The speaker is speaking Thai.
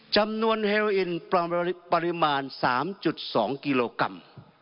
จำนวนเฮโรออินปริมาณ๓๒กิโลกรัม